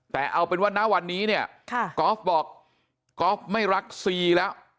แต่เอาเป็นว่าณวันนี้เนี่ยกอล์ฟบอกก๊อฟไม่รักซีแล้ว